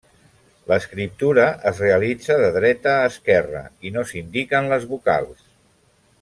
L'escriptura es realitza de dreta a esquerra, i no s'indiquen les vocals.